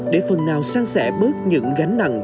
để phần nào sáng sẻ bớt những gánh nặng